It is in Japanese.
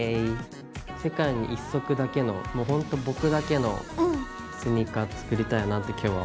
世界に一足だけのもうほんと僕だけのスニーカー作りたいなって今日は思ってる。